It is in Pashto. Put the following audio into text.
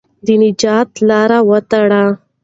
د نجات لاره وتړه.